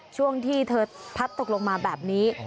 ช่วงที่เธอพัดตกลงมาแบบนี้